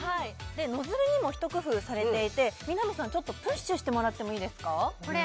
ノズルにも一工夫されていて南さんちょっとプッシュしてもらってもいいですかこれ？